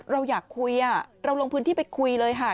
เราอยากคุยเราลงพื้นที่ไปคุยเลยค่ะ